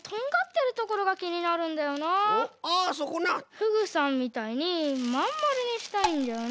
フグさんみたいにまんまるにしたいんだよな。